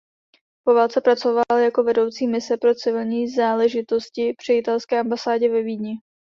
Po válce pracoval jako vedoucí mise pro civilní záležitosti při italské ambasádě ve Vídni.